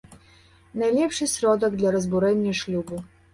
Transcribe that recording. Найлепшы сродак для разбурэння шлюбу.